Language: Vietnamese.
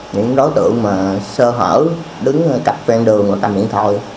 những đối tượng mà sơ hở đứng cạch toàn đường và cầm điện thoại